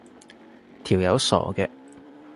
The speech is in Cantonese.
條友傻嘅